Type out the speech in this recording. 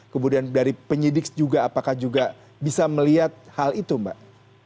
kemudian dari penyidik juga apakah juga bisa melihat hal itu mbak